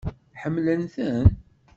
Ḥemmlen-ten?